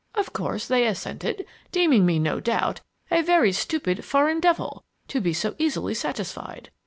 Of course they assented, deeming me, no doubt, a very stupid 'foreign devil' to be so easily satisfied!